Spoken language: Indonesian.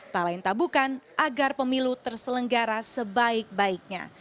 tak lain tak bukan agar pemilu terselenggara sebaik baiknya